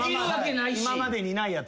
今までにないやつ。